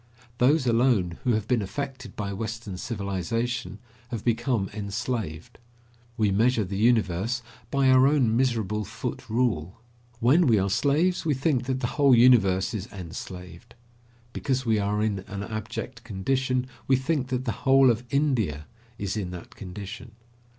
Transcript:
Those alone who have been affected by western civilization have become enslaved. We measure the universe by our own miserable foot rule. When we are slaves, we think that the whole universe is enslaved. Because we are in an abject condition, we think that the whole of India is in that condition.